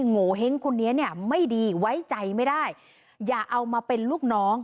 โงเห้งคนนี้เนี่ยไม่ดีไว้ใจไม่ได้อย่าเอามาเป็นลูกน้อง